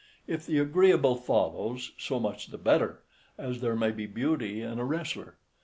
If the agreeable follows, so much the better, as there may be beauty in a wrestler.